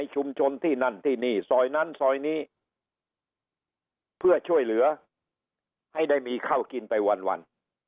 ชุมชนที่นั่นที่นี่ซอยนั้นซอยนี้เพื่อช่วยเหลือให้ได้มีข้าวกินไปวัน